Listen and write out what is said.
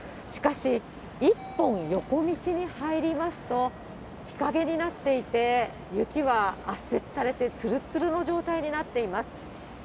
しかし、一本横道に入りますと、日陰になっていて、雪は圧雪されて、つるっつるの状態になっています。